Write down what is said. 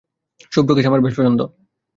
শুভ্র কেশ আমার বেশ পছন্দ।